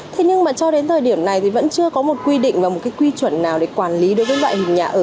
thế nhưng mà cho đến thời điểm này thì vẫn chưa có một quy định và một cái quy chuẩn nào để quản lý đối với loại hình nhà ở